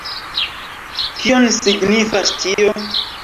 Kion signifas tio?